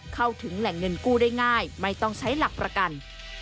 เข้าถึงแหล่งเงินกู้ได้ง่ายไม่ต้องใช้หลักประกัน